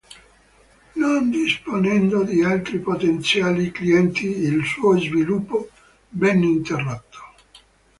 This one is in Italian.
Non disponendo di altri potenziali clienti il suo sviluppo venne interrotto.